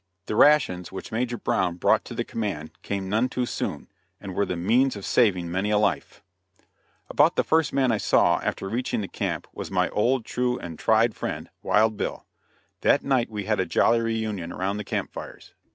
The rations which Major Brown brought to the command came none too soon, and were the means of saving many a life. [Illustration: A WELCOME VISITOR] About the first man I saw after reaching the camp was my old, true and tried friend, Wild Bill. That night we had a jolly reunion around the camp fires.